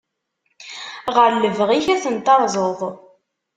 Ɣer lebɣi-k ad ten-tarzeḍ.